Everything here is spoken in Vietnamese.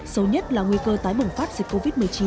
sâu nhất là nguy cơ tái bổng phát dịch covid một mươi chín